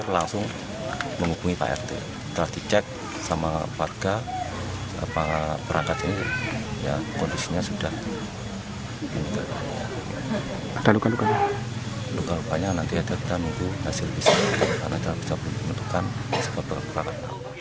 luka lukanya nanti ada kita nunggu hasil bisa karena terlalu banyak pembentukan